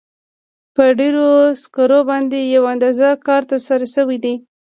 په ډبرو سکرو باندې یو اندازه کار ترسره شوی دی.